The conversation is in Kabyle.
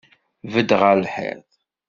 Bedd ɣer lḥiḍ!